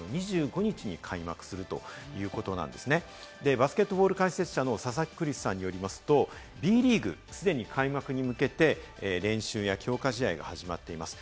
バスケットボール解説者の佐々木クリスさんによりますと、Ｂリーグは既に開幕に向けて練習や強化試合が始まっています。